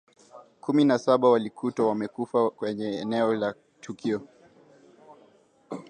kumi na saba walikutwa wamekufa kwenye eneo la tukio